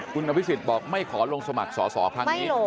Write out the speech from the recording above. คุณอภิษฎบอกไม่ขอลงสมัครสอสอครั้งนี้